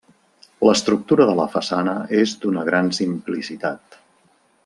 L'estructura de la façana és d'una gran simplicitat.